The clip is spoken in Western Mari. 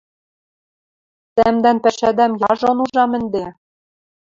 Тӓмдӓн пӓшӓдӓм яжон ужам ӹнде.